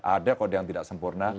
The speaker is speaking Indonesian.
ada kode yang tidak sempurna